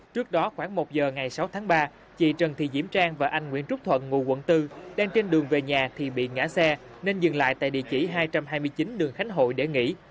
trước đó khoảng một giờ ngày sáu tháng ba chị trần thị diễm trang và anh nguyễn trúc thuận ngụ quận bốn đang trên đường về nhà thì bị ngã xe nên dừng lại tại địa chỉ hai trăm hai mươi chín đường khánh hội để nghỉ